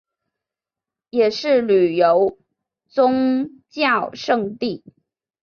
也是旅游宗教胜地。